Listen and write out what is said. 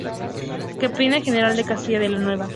Capitanía General de Castilla la Nueva.